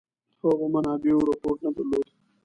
هغو منابعو رپوټ نه درلوده.